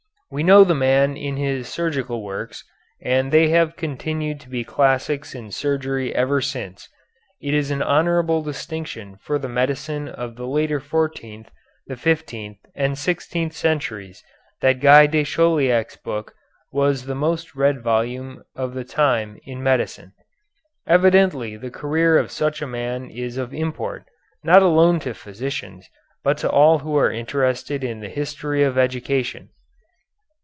We know the man in his surgical works, and they have continued to be classics in surgery ever since. It is an honorable distinction for the medicine of the later fourteenth, the fifteenth, and sixteenth centuries that Guy de Chauliac's book was the most read volume of the time in medicine. Evidently the career of such a man is of import, not alone to physicians, but to all who are interested in the history of education.